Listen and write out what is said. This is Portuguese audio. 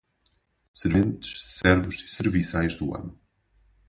Serventes, servos e serviçais do amo